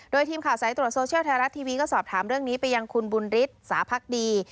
โดยทีมข่าวสายตรวจโซเชียลไทยรัฐทีวีก็สอบถามเรื่องนี้ไปยังคุณบุญฤทธิ์สาพักดี